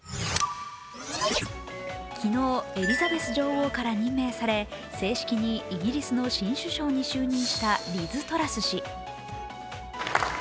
昨日、エリザベス女王から任命され正式にイギリスの新首相に就任したリズ・トラス氏。